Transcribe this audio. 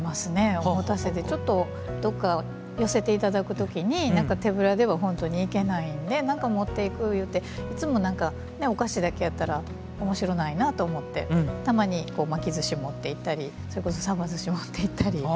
おもたせでちょっとどっか寄せて頂く時に手ぶらでは本当にいけないんで何か持っていくゆうていつもお菓子だけやったら面白ないなと思ってたまに巻きずし持っていったりそれこそさばずし持っていったり。